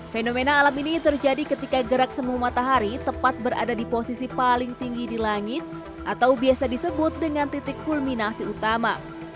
fenomena alam ini terjadi ketika gerak semu matahari tepat berada di posisi paling tinggi di langit atau biasa disebut dengan titik kulminasi utama